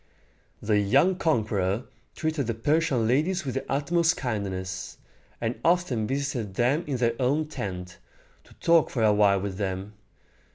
The young conqueror treated the Persian ladies with the utmost kindness, and often visited them in their own tent, to talk for a while with them.